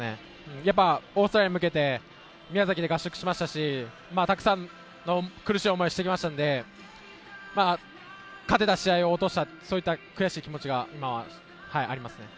やっぱりオーストラリアに向けて宮崎で合宿してましたし、たくさんの苦しい思いをしてきましたので、勝てた試合を落としたという悔しい気持ちがあります。